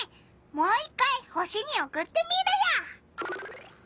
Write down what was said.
もう一回星におくってみるよ！